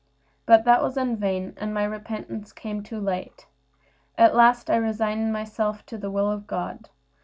But all this was in vain, and my repentance came too late. At last I resigned myself to the will of God.